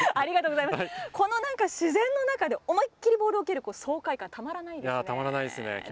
この自然の中で思い切りボールを蹴る爽快感がたまらないですね。